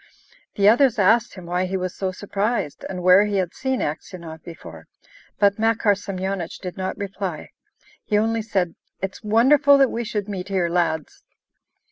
The others asked him why he was so surprised, and where he had seen Aksionov before; but Makar Semyonich did not reply. He only said: "It's wonderful that we should meet here, lads!"